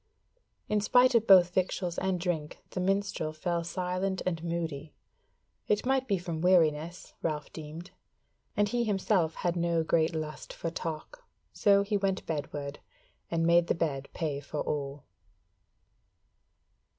In spite of both victuals and drink the minstrel fell silent and moody; it might be from weariness, Ralph deemed; and he himself had no great lust for talk, so he went bedward, and made the bed pay for all.